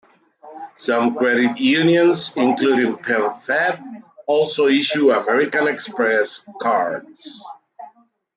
Some credit unions, including PenFed, also issue American Express cards.